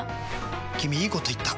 君いいこと言った！